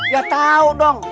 ya tahu dong